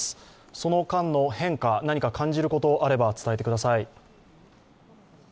その間の変化、何か感じることがあれば伝えてください。